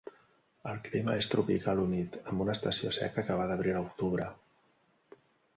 El clima és tropical humit amb una estació seca que va d'abril a octubre.